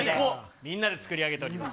みんなで作り上げております。